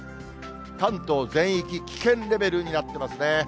関東全域、危険レベルになってますね。